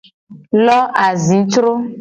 Lo azicro.